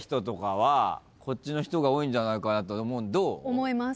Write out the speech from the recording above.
思います。